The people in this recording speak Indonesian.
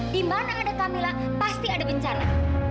di mana ada camilla pasti ada bencana